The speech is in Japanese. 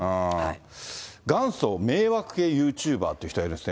元祖迷惑系ユーチューバーという人がいるんですね。